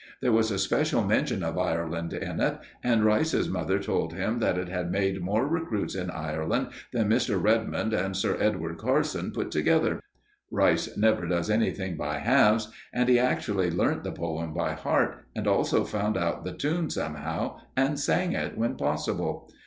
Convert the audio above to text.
There was a special mention of Ireland in it, and Rice's mother told him that it had made more recruits in Ireland than Mr. Redmond and Sir Edward Carson put together. Rice never does anything by halves, and he actually learnt the poem by heart, and also found out the tune somehow and sang it when possible.